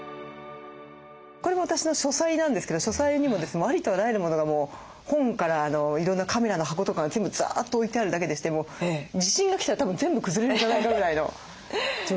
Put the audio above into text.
これは私の書斎なんですけど書斎にもありとあらゆるモノがもう本からいろんなカメラの箱とかが全部ザーッと置いてあるだけでして地震が来たらたぶん全部崩れるんじゃないかぐらいの状況でした。